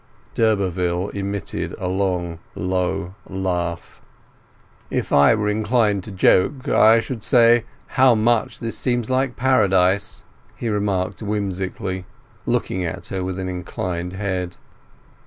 D'Urberville emitted a low, long laugh. "If I were inclined to joke, I should say, How much this seems like Paradise!" he remarked whimsically, looking at her with an inclined head.